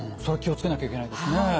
それは気を付けなきゃいけないですね。